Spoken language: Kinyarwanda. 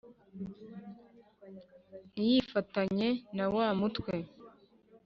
ntiyifatanye na wa Mutwe